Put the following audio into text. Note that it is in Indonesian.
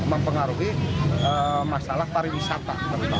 mempengaruhi masalah pariwisata